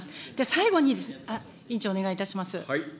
最後に、委員長、お願いいたします。